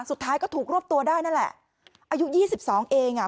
สุดท้ายก็ถูกรวบตัวได้นั่นแหละอายุยี่สิบสองเองอ่ะ